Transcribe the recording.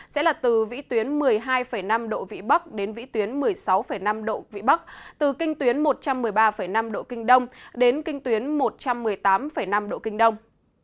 sẽ là từ vĩ tuyến một mươi hai năm độ vĩ bắc đến vĩ tuyến một mươi sáu năm độ vị bắc từ kinh tuyến một trăm một mươi ba năm độ kinh đông đến kinh tuyến một trăm một mươi tám năm độ kinh đông